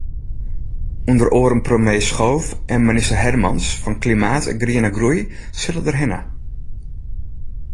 Under oaren premier Schoof en minister Hermans fan Klimaat en Griene Groei sille derhinne.